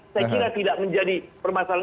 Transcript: saya kira tidak menjadi permasalahan